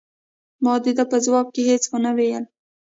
ما د ده په ځواب کې هیڅ ونه ویل.